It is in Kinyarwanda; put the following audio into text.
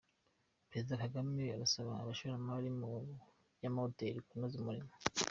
Perezida Kagame arasaba abashoramari mu by’amahoteli kunoza umurimo